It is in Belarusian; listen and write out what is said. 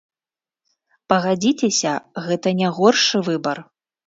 Пагадзіцеся, гэта не горшы выбар!